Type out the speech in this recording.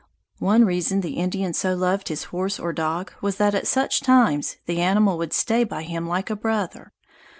One reason the Indian so loved his horse or dog was that at such times the animal would stay by him like a brother.